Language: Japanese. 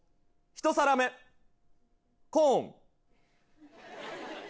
「１皿目コーン」。